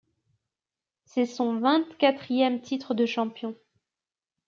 C’est son vingt-quatrième titre de champion.